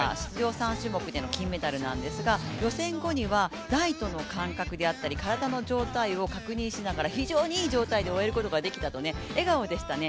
３種目での金メダルなんですが、予選後には台との感覚だったり体の状態を確認しながら、非常にいい状態で終えることができたと笑顔でしたね。